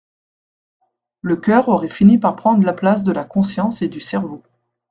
Le coeur aurait fini par prendre la place de la conscience et du cerveau.